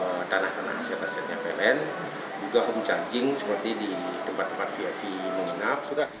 dan di set setnya ptpln juga memucang jing seperti di tempat tempat viv mengingap